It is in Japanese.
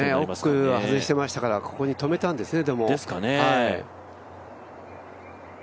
奥は外してましたからここに止めたんですね。